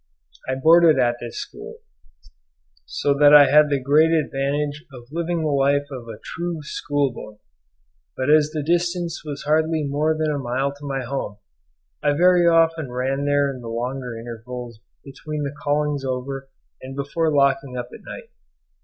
I boarded at this school, so that I had the great advantage of living the life of a true schoolboy; but as the distance was hardly more than a mile to my home, I very often ran there in the longer intervals between the callings over and before locking up at night.